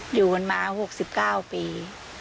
หยุดมา๖๙ปี